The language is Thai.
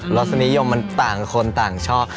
ลักษณียมมันต่างคนต่างชอบ